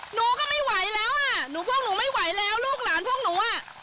หนูก็ไม่ไหวแล้วอ่ะหนูพวกหนูไม่ไหวแล้วลูกหลานพวกหนูอ่ะ